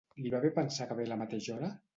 Li va bé pensar que ve a la mateixa hora?